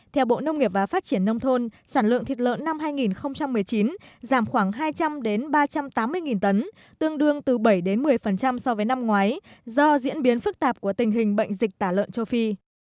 theo bộ nông nghiệp và phát triển nông thôn sản lượng thịt lợn năm hai nghìn một mươi chín giảm khoảng hai trăm linh ba trăm tám mươi tấn tương đương từ bảy một mươi so với năm ngoái do diễn biến phức tạp của tình hình bệnh dịch tả lợn châu phi